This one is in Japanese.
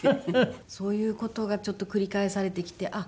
そういう事がちょっと繰り返されてきてあっ